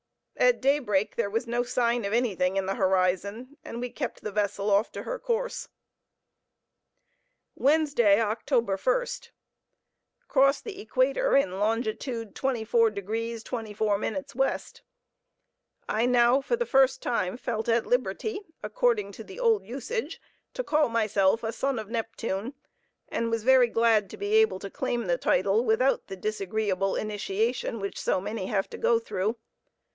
At daybreak there was no sign of anything in the horizon, and we kept the vessel off to her course. Wednesday, Oct. 1st. Crossed the equator in long. 24° 24' W. I now, for the first time, felt at liberty, according to the old usage, to call myself a son of Neptune, and was very glad to be able to claim the title without the disagreeable initiation which so many have to go through.